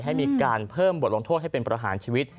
ให้มีการเพิ่มบทลงโทษให้เป็นประหารชีวิต